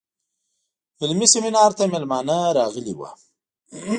علمي سیمینار ته میلمانه راغلي وو.